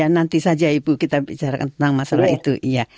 nanti saja ibu kita bicara tentang masalah itu